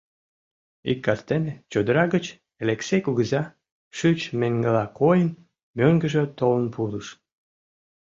Ик кастене чодыра гыч Элексей кугыза, шӱч меҥгыла койын, мӧҥгыжӧ толын пурыш.